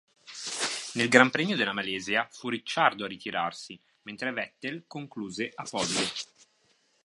Nel Gran Premio della Malesia fu Ricciardo a ritirarsi, mentre Vettel concluse a podio.